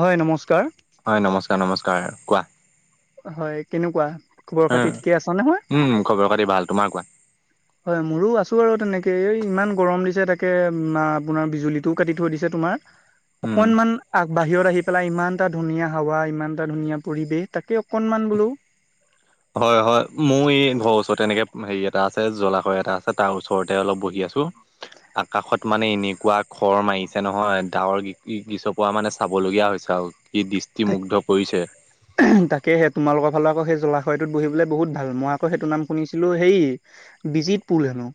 হয় নমস্কাৰ। অ' নমস্কাৰ। কোৱা? হয় কেনেকুৱা খবৰ উম খাতি ঠিকে আছ নহয়? উম খবৰ খাতি ভাল তোমাৰ কোৱা হয় মোৰো আছো আৰু তেনেকে এই ইমান গৰম দিছে তাক তাকে মা আপোনাৰ বিজুলীটোও কাটি থৈ দিছে তোমাৰ। উম অকনমান আ বাহিৰত আহি পেলাই ইমান এটা ধুনীয়া হাৱা ইমান এটা ধুনীয়া পৰিৱেশ তাকে অকনমান বোলো। হয় হয়, মোৰ এই ঘৰৰ ওচৰত তেনেকে হেৰিয়াত এটা আছে জলাশয় এটা আছে তাৰ ওচৰতে অলপ বহ আছোঁ আকাশত মানে এনেকুৱা খৰ মাৰিছে নহয়। ডাৱৰ গিছপৰা মানে চাবলগীয়া হৈছে আৰু। কি দৃষ্টিমুগ্ধ কৰিছে তাকে সে তোমালোকৰ ফালৰ আকৌ সেই। জলাশয়তোত বহিবলে বহুত ভাল মই আকৌ সেইটো নাম শুনিছিলোঁ হেই বিজিত পুল হেনোঁ।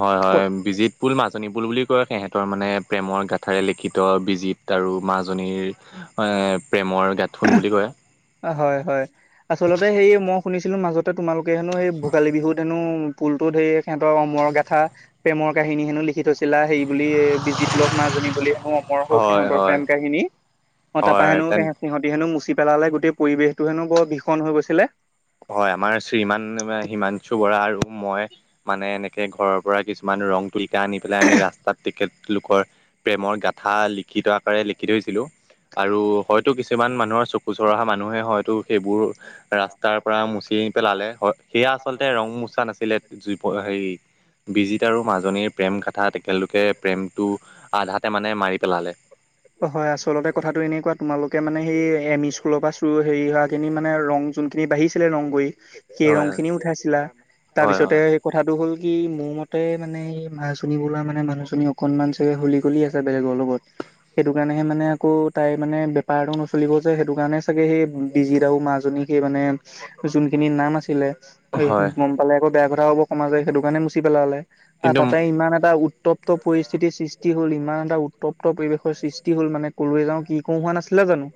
হয় হয় বিজিতপুল মাছ। নিপুল বুলি কয় সিহঁতৰ মানে প্ৰেমৰ গাঁথাৰে লিখিত বিজিত আৰু মাজনীৰ। এ প্ৰেমৰ। গাথোন বুলি কয় হয় হয় আচলতে সেই মই শুনিছিলোঁ মাজত। তোমালোকে হেনো সেই ভোগালী বিহুত হেনো পুলতো হে সেহতৰ অমৰ গাথা প্ৰেমৰ কাহিনী হেনো লিখি থৈছে ছিলা হেৰি বুলি বিজিত লক মাজনী বুলি হেনো অমৰ হৌক হয় সিহঁতৰ হয় প্ৰেম কাহিনী। অ তাপা হয় হেনো তেন সিহঁতি হেনো মুচি পেলালে গোটেই পৰিৱেশটো হেনো বৰ ভীষণ হৈ গৈছিলে। হয় আমাৰ শ্ৰীমান হিমাংশু বৰা আৰু- মই মানে এনেকে ঘৰৰ পৰা কিছুমান ৰং তুলিকা আনি পেলাই আমি ৰাস্তাত তেখেতলোকৰ প্ৰেমৰ গাথা লিখিত আকাৰে লিখি থৈছিলোঁ। আৰু হয়তো কিছুমান মানুহৰ চকু চৰহা মানুহে হয়তো সেইবোৰ ৰাস্তাৰ। পৰা মচি পেলালে হয় সেয়া আচলতে ৰং মোচা নাছিলে জুই হেৰি বিজিত আৰু মাজনীৰ প্ৰেম কাথা তেখেতলোকে প্ৰেমটো আধাতে মানে মাৰি পেলালে। তোকে মানেহেই এম ই স্কুলৰ পৰা চুৰু হেৰি হোৱাখিনি মানে ৰং যোনখিনি বাঢ়িছিলে ৰং কৰি। সেই ৰং হয় খিনিও উঠাইছিলা তাৰ হয় হয় পিছতে হয় সেই কথাটো হ'ল। কি মোৰ মতে মানে মাজনী বোলা মানে মানুহ জনি অকনমান চাগে হলি গলি আছে বেলেগৰ লগত। সেইটো কাৰণেহে মানে আকৌ তাই মানে বেপাৰতটো নচলিব যে সেইটো কাৰণে চাগে সেই বিজিত আও মাজনী। হেৰি মানে যোনখিনি নাম আছিলে। এ হয় গম পালে আকৌ বেয়া কথা হ'ব সমাজে সেইটো কাৰণে মুচি পেলালে। আৰু কিন্তু তাতে ইমান এটা উত্তপ্ত পৰিস্থিতিৰ সৃষ্টি হ'ল ইমান এটা উত্তপ্ত পৰিৱেশ। সৃষ্টি হ'ল মানে ক'লৈ যাওঁ কি কৰো হোৱা নাছিলে জানোঁ?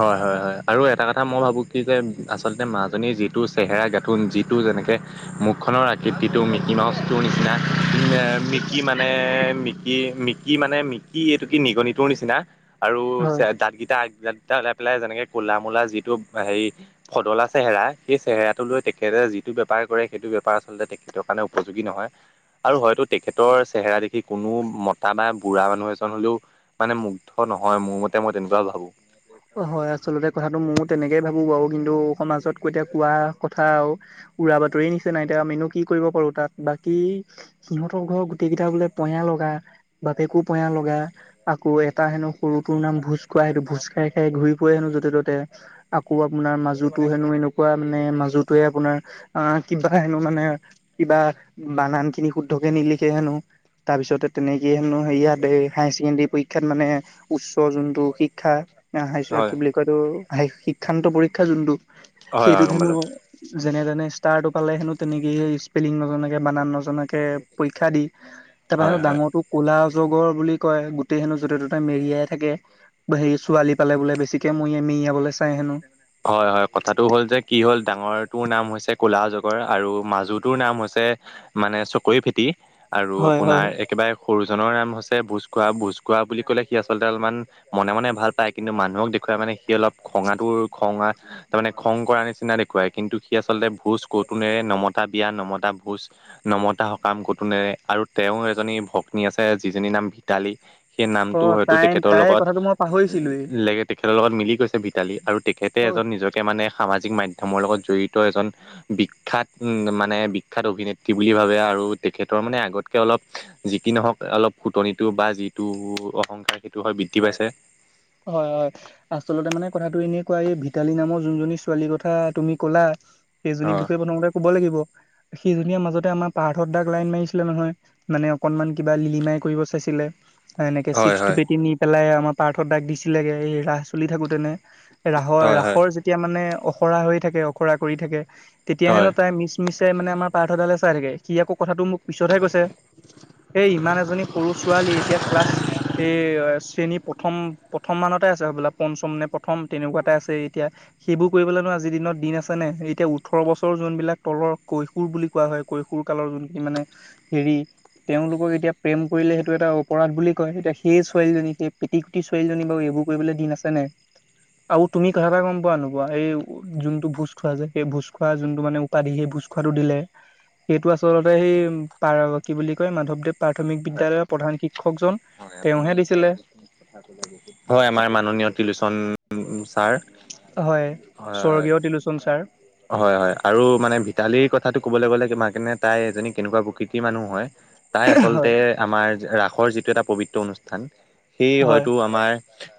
হয় হয় হয় আৰু এটা কথা মই ভাবোঁ কি যে আচলতে মাজনীৰ যিটো চেহেৰা গাঁথোন যিটো যেনেকে মুখনৰ আকৃতিটো মিকি মাউচটো মিকি মানে মিকি মিকি মানে মিকি এইটো কি নিগনিটোৰ নিচিনা নিচিনা আৰু হয় দাঁতকেইটা আগ দাঁতকেইটা ওলাই পেলাই যেনেকে কলা মূলা যিটো হেৰি- ফদলা চেহেৰা। সেই চেহেৰাটো লৈ তেখেতে যিটো বেপাৰ কৰে সেইটো বেপাৰ আচলতে তেখেতৰ কাৰণে উপযোগী নহয়। আৰু হয়তো তেখেতৰ। চেহেৰা দেখি কোনো মতা বা বুঢ়া মানুহ এজন হ'লেও মানে মুগ্ধ নহয় মোৰ মতে মই তেনেকুৱা ভাবোঁ। হয় আচলতে কথাটো ময়ো তেনেকে ভাবোঁ বাৰু। কিন্তু সমাজত কৈ দিয়া কোৱা কথা উৰা বাতৰি নিচিনা এতিয়া আমিনো কি কৰিব পাৰোঁ তাত। বাকী সিহঁতৰ ঘৰ গোটেই কেইটা বোলে পয়া লগা বাপেকো পয়া লগা আকৌ এটা হেনো সৰুটোৰ নাম ভোজ খোৱা সেটো ভোজ খেৰ খেৰ ঘূৰি ফুৰে হেনো যতে ত'তে আকৌ আপোনাৰ মাজুতো হেনো এনেকুৱা মানে মাজুত তোয়ে আপোনাৰ আহ কিবা হেনো মানে কিবা বানান খিনি শুদ্ধকে নিলিখে হেনোঁ। তাৰপিছতে তেনেকেই হেনো হেৰিয়াত এই হায়াৰ ছেকেণ্ডৰী পৰীক্ষাত মানে উচ্চ যোনটো শিক্ষা। হাই স্কুলত হয় কি বুলি কয় এইটো শিক্ষান্ত পৰীক্ষা যোনটো হয় হয় সেইটোত গম হেনোঁ। পালো যেনে তেনে ষ্টাৰটো পালে হেনোঁ তেনেকেই স্পেলিং নজনাকে বানান নজনাকে পৰীক্ষা দি। তাৰ পা হয় সেনু হয় ডাঙৰটো কৌলা। জগৰ বুলি কয় গোটেই হেনো য'তে ত'তে মেৰিয়াই থাকে হেৰি ছোৱালী পালে বোলে বেছিকে মইয়াই মেৰিয়াবলে চাই হেনোঁ। হয় হয় কথাটো হ'ল যে কি হ'ল ডাঙৰটোৰ নাম হৈছে ক'লা জগৰ আৰু মাজুটোৰ নাম হৈছে মানে চকৈ ফেটি। আৰু হয় হয়। আপোনাৰ একেবাৰে সৰু। জনৰ নাম হৈছে ভোজ খোৱা ভুজ খোৱা বুলি ক'লে সি আচলতে অলপমান মনে মনে ভাল পায় কিন্তু মানুহক দেখুৱাই মানে সি অলপ। খঙা টো খঙা তাৰ মানে খং কৰা নিচিনা দে কিন্তু সি আচলতে ভোজ কতো নেৰে নমতা বিয়া নমতা ভোজ নমতা সকাম কতো নেৰে। আৰু তেওঁ এজনী ভগ্নী আছে যিজনীৰ নাম ভিতালী সেই অ নামটো হয়তো তাই তেখেতৰ তাই লগত কথাটো মই পাহৰিছিলোৱেই। উল্লেখ তেখেতৰ লগত মিলি গৈছে ভিতালী আৰু তেখেতে অ এজন নিজকে মানে সামাজিক মাধ্যমৰ লগত জড়িত এজন বিখ্যাত উম মানে বিখ্যাত অভিনেত্ৰী বুলি ভাবে আৰু আৰু তেখেতৰ মানে আগতকে অলপ যি কি নহওঁক অলপ ফুটনিটো বা যিটো অহংকাৰেই হয় বৃদ্ধি পাইছে। হয় হয় আচলতে মানে কথাটো এনেকোৱা এই ভিতালী নামৰ যোনজনী ছোৱালীৰ কথা তুমি ক'লা সেইজনী অ বিষয়ে প্ৰথমতে ক'ব লাগিব। সি জনী মাজতে আমাৰ পাৰ্থদাক লাইন মাৰিছিলে নহয়। মানে অকনমান কিবা লিলিমাই কৰিব চাইছিল ছিলে এনেকে হয় চিপছ হয় দুপেটি নি পেলাই আমাৰ পাৰ্থ দাক দিছিলেগে এই ৰাস চলি থাকোতেনে ৰাসৰ হয় হয় ৰাসৰ যেতিয়া মানে অখৰা হৈ থাকে অখৰা কৰি থাকে তেতিয়াহেনো হয় তাই মিছ মিছ মানে আমাৰ পাৰ্থদালে চাই থাকে সি আকৌ কথাটো মোক পিছতহে কৈছে এই ইমান এজনী সৰু চোৱা এতিয়া ক্লাছ এই শ্ৰেণী প্ৰথম প্ৰথম মানতে আছে হবলা পঞ্চম নে প্ৰথম তেনেকুৱাতে আছে এতিয়া সেইবোৰ কৰিবলৈ নো আজি দিনত দিন আছে নে এতিয়া ওঠৰ বছৰ যোনবিলাক তলৰ কৈশোৰ বুলি কোৱা হয় কৈশোৰ কালৰ যোন খিনি মানে হেৰি তেওঁলোকক এতিয়া প্ৰেম কৰিলে সেইটো এটা অপৰাধ বুলি কয়। এতিয়া সেই ছোৱালীজনীক সেই পিটি কুটি ছোৱালীজনী বাৰু এইবোৰ কৰিবলৈ দিন আছে নাই। আৰু তুমি কথা এটা গম পোৱা নে নোপোৱা এই যোনটো ভোজ খোৱা যে সেই ভোজ খোৱা যোনটো মানে উপাধি সেই ভোজখুৱাটো দিলে সেইটো আচলতে সেই পা কি বুলি কয় মাধৱদেৱ প্ৰাথমিক বিদ্য়ালয়ৰ প্ৰধান শিক্ষক জন আপুনি এতিয়া হয় আমাৰ মাননীয় টিলুচন ছাৰ হয় হয় হয়। স্বৰ্গীয় তিলোচন ছাৰ হয় হয় আৰু মানে ভিতালীৰ কথাটো ক'বলৈ গ'লে তোমাক এনে তাই এজনী কেনেকুৱা প্ৰকৃতিৰ মানুহ হয় তাই আচলতে হয় আমাৰ ৰাসৰ যিটো এটা পবিত্ৰ অনুষ্ঠান সেই হয় হয়তো আমাৰ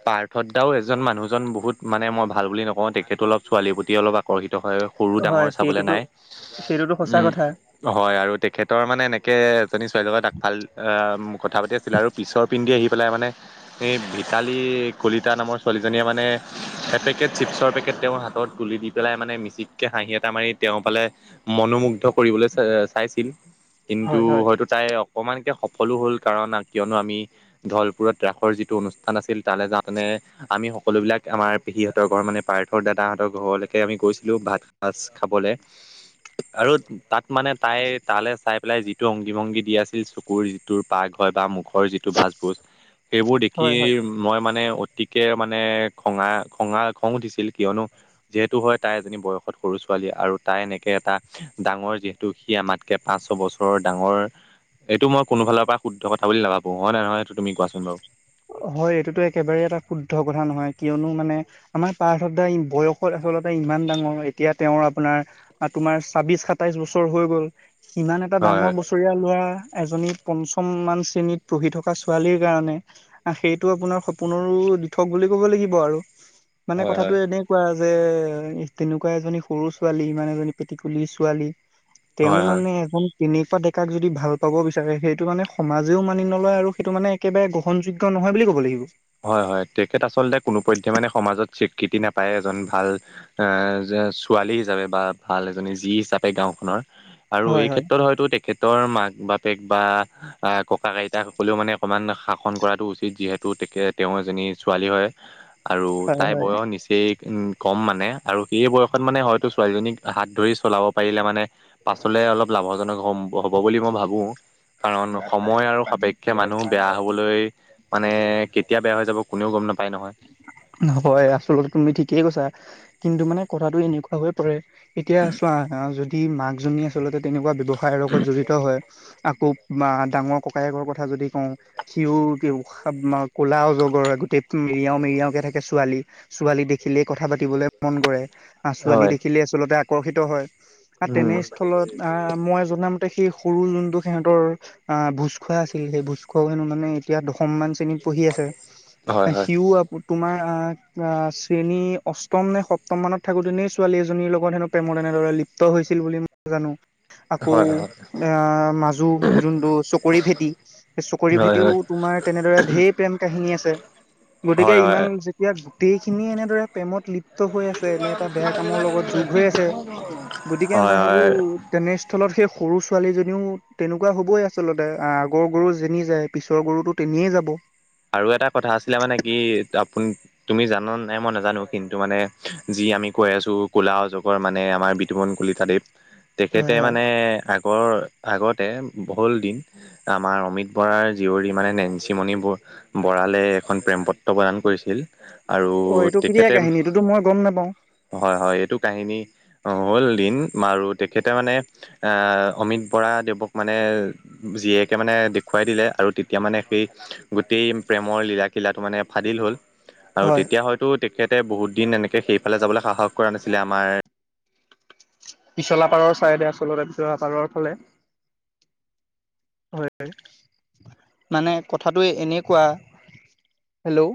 পাৰ্থত দাও এজন মানুহজন বহুত মানে মই ভাল বুলি নকওঁ তেখেতো অলপ ছোৱালীৰ প্ৰতি অলপ আকৰ্ষিত হয় সৰু ডাঙৰ হয় চাবলে সেইটোতো নাই সেইটোতো সঁচা উম কথা হয় আৰু তেখেতৰ মানে এনে এজনী ছোৱালীৰ লগত তাক ভাল আহ কথা পাতি আছিল আৰু হেৰি আহি পেলাই মানে এই ভিতালী কলিতা নামৰ ছোৱালীজনীয়ে মানে এ পেকেট চিপছৰ পেকেট তেওঁৰ হাতত তুলি দি পেলাই মানে মিচিককে হাঁহি এটা মাৰি তেওঁ পালে মনোমুগ্ধ কৰিবলৈ চ চাইছিল। কিন্তু হয় হয় হয়তো তাই অকমানকে সফলো হ'ল কাৰণ কিয়নো আমি ধলপুৰত ৰাসৰ যিটো অনুষ্ঠান আছিল তালৈ যাওঁনে আমি সকলোবিলাক আমাৰ সিহঁতৰ ঘৰ মানে পাৰ্থৰ দাদাহঁতৰ ঘৰলৈকে আমি গৈছিলোঁ ভাত সাজ খাবলৈ। আৰু তাত মানে তাই তালৈ চাই পেলাই যিটো অংগী ভংগী দি আছিল চকুৰ যিটোৰ পাক হয় বা মুখ ঘৰ যিটো ভাজ ভোজ সেইবোৰ দেখি হয় হয় মই মানে গতিকে মানে খঙা খঙা খং উঠিছিল কিয়নো যিহেতু হয় তাই এজনী বয়সত সৰু চ ছোৱালী আৰু তাই এনেকে এটা ডাঙৰ যিহেতু সি আমাতকে পাঁচ ছ বছৰ ডাঙৰ এইটো মই কোনোফালৰ পৰা শুদ্ধ কথা বুলি নাভাবোঁ হয় নহয় এইটো তুমি কোৱাচোন বাৰু। হয় এইটোতো একেবাৰে এটা শুদ্ধ কথা নহয় কিয়নো মানে আমাৰ পাৰ্থব দা বয়সত আচলতে ইমান ডাঙৰ এতিয়া তেওঁৰ আপোনাৰ তোমাৰ ছাবিশ সাতাইশ বছৰ হৈ গ'ল। ইমান এটা ডাঙৰ হয় বছৰীয়া ল'ৰা। এজনী পঞ্চম মান শ্ৰেণীত পঢ়ি থকা ছোৱালীৰ কাৰণে সেইটো আপোনাৰ সপোনৰো দিঠক বুলি ক'ব লাগিব আৰু মানে হয় হয় কথাটো হয় এনে কোৱা যে তেনেকুৱা এজনী সৰু ছোৱালী ইমান এজনী পেটিকুলিৰ ছোৱালী তেওঁ হয় হয় মানে এজন কেনেকুৱা ডেকাক যদি ভাল পাব বিচাৰে সেইটো মানে সমাজেও মানি নলয় আৰু সেইটো মানে একেবাৰে গ্ৰহণযোগ্য। ক নহয় বুলি ক'ব লাগিব। হয় হয় তেখেত আচলতে কোনো পধ্যে মানে সমাজত। স্বীকৃতি নাপায় এজন ভাল ছোৱালী হিচাপে বা ভাল এজনী যি হিচাপে গাঁওখনত। আৰু হয় এই হয় ক্ষেত্ৰত হয়তো, তেখেতৰ মাক বাপেক বা ককা আইতাক সকলেও মানে অকণমান শাসন কৰাটো উচিত যিহেতু, তেওঁৰ এজনী ছোৱালী হয় আৰু হয় তাইৰ হয় বয়স নিচেই, কম মানে আৰু সেই বয়সত মানে হয়তো ছোৱালীজনীক হাত ধৰি চলাব পাৰিলে মানে, পাছলে অলপ লাভজনক হ হ'ব বুলি মই ভাবোঁ। কাৰণ সময় আৰু সাপেক্ষে মানুহ বেয়া হ'বলৈ মানে, কেতিয়া বেয়া হৈ যাব কোনেও গম নাপায় নহয়। নহ'ব আচলতে তুমি ঠিকেই কৈছা। কিন্তু মানে কথাটো এনেকুৱা হৈ পৰে এতিয়া চোৱা যদি মাক, আচলতে তেনেকুৱা ব্যৱসায়ৰ লগত জড়িত হয়। আকৌ বা ডাঙৰ ককায়েকৰ কথা যদি কওঁ সিও কলা অজগৰ। গোটেই মেৰিয়াও মেৰিয়াওকে থাকে ছোৱালী, ছোৱালী দেখিলিয় কথা পাতিবলৈ মন কৰে। আ ছোৱালী হয় দেখিলে আচলতে আকৰ্ষিত হয়। উম ফলত মই জনামতে সেই সৰু যোনটো স [unintelligible] ভোজ খোৱা আছিল সেই ভোজ খোৱা মানে এতিয়া দশমমান। তুমি পঢ়ি আছে হয় হয় সিও আ তোমাৰ। অ অ শ্ৰেণী অষ্টম নে সপ্তম মানত থাকোতেনেই ছোৱালী এজনীৰ লগত হেনো প্ৰেমৰ এনেদৰে। লিপ্ত হৈছিল বুলি মই জানোঁ। আকৌ হয় হয় আ মাজু যোনটো চকৰি ফেঁটী চকৰি হয় হয় ফেঁটীও হয় তোমাৰ তেনেদৰে ধেৰ প্ৰেম কাহিনী আছে। গতিকে হয় ইমান যেতিয়া গোটেই খিনিয় এনেদৰে প্ৰেমত। লিপ্ত হৈ আছে নে এটা বেয়া কামৰ লগত যোগ হৈ আছে গতিকে হয় মই হয় ভা, বো হয় তেনেস্থলত সেই সৰু ছোৱালীজনীও তেনেকুৱা হ'বই আচলতে আগৰ গৰু যেনি যায় পিছৰ গৰুতো তেনিয়ে যাব। আৰু এটা কথা আছিলে মানে কি আপু তুমি জানা নাই মই নাজানো কিন্তু মানে যি। আমি কৈ আছো ক'লা জগৰ মানে আমাৰ বিতুমন কলিতাদেৱ তেখেতে হয় হয় মানে আগৰ আগতে বহুল দিন আমাৰ অমিত বৰাৰ জীয়ৰী মানে নেঞ্চিমণি ব, বৰালে এখন প্ৰেম পত্ৰ প্ৰদান কৰিছিল আৰু অ এইটো কেতিয়া তেখেতে কাহিনী এইটোতো মই গম নাপাওঁ হয় হয় এইটো কাহিনী হ'ল দিন। আৰু তেখেতে মানে অমিত বৰাদেৱক মানে জীয়েকে মানে দেখু, খাই দিলে আৰু তেতিয়া মানে সেই, গোটেই প্ৰেমৰ লীলাকিলাটো মানে ফাদিল হ'ল আৰু হয় তেতিয়া হয়তো তেখেত। বহুত দিন এনেকৈ সেইফালে যাবলৈ সাহস কৰা নাছিলে আমাৰ, পিছলাপাৰৰ চাইডে আচলতে পিছলাপাৰৰ ফালে হয় মানে কথাটো এনেকোৱা হেল্ল'